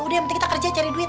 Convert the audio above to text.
udah nanti kita kerja cari duit